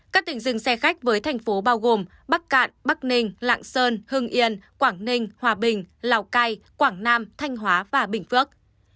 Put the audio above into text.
các tỉnh dừng xe khách với thành phố bao gồm bắc cạn bắc ninh lạng sơn hưng yên quảng ninh hòa bình lào cai quảng nam thanh hóa và bình phước